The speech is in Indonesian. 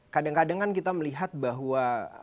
kadang kadangan kita melihat bahwa